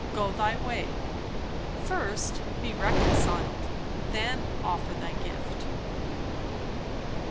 go thy way... first be reconciled... then offer thy gift."